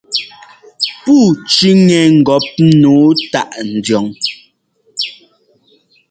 Pûu cʉ́ŋɛ ŋgɔp nǔu táʼ ndiɔn.